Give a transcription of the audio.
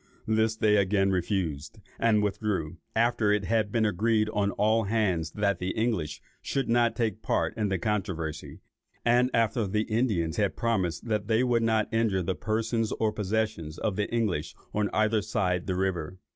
This they again refused, and withdrew; after it had been agreed on all hands that the English should not take any part in the controversy, and after the Indians had promised that they would not injure the persons or possessions of the English on either side the river.